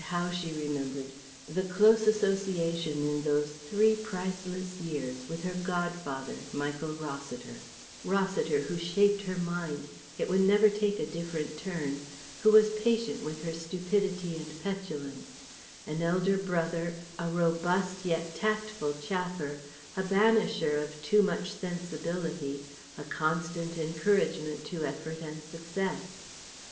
How she remembered the close association in those three priceless years with her "godfather" Michael Rossiter; Rossiter who shaped her mind it would never take a different turn who was patient with her stupidity and petulance; an elder brother, a robust yet tactful chaffer; a banisher of too much sensibility, a constant encouragement to effort and success.